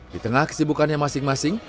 di tengah kesibukannya masing masing